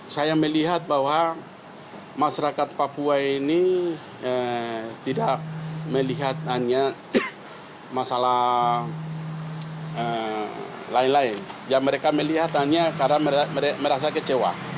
saya melihat bahwa masyarakat papua ini tidak melihat hanya masalah lain lain yang mereka melihat hanya karena merasa kecewa